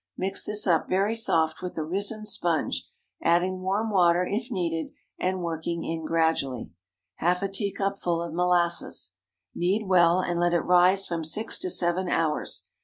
Mix this up very soft with the risen sponge, adding warm water, if needed, and working in gradually Half a teacupful of molasses. Knead well, and let it rise from six to seven hours.